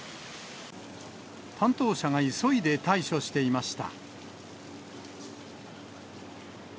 担当者が急いで対処していました。